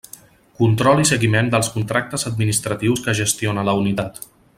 Control i seguiment dels contractes administratius que gestiona la unitat.